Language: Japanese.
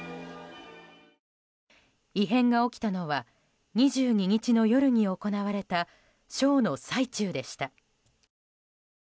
異変が起きたのは２２日の夜に行われたショーの最中でした。